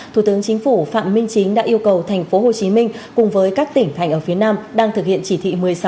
thủ tướng chính phủ phạm minh chính đã yêu cầu thành phố hồ chí minh cùng với các tỉnh thành ở phía nam đang thực hiện chỉ thị một mươi sáu